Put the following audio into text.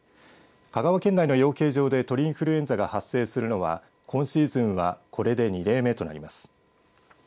香川県内の養鶏場で鳥インフルエンザが発生するのは今シーズンはこれで２例目となります。